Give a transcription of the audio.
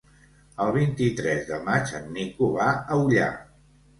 El vint-i-tres de maig en Nico va a Ullà.